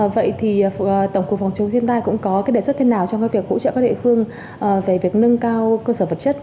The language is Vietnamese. vậy thì tổng cục phòng chống thiên tai cũng có cái đề xuất thế nào trong cái việc hỗ trợ các địa phương về việc nâng cao cơ sở vật chất